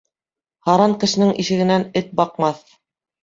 Һаран кешенең ишегенән эт баҡмаҫ